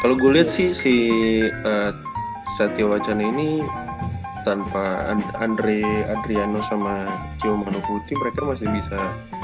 kalo gue liat sih si satya wacana ini tanpa andre adriano sama chio mano putih mereka masih bisa